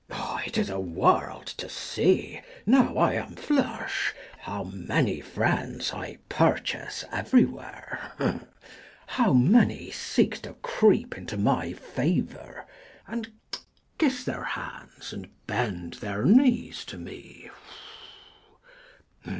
Mess. It is a world to see now I am flush, How many friends I ^purchase ievery where !_ How many seeks to creep into my favour, X And kiss their hands, and bend their knees to me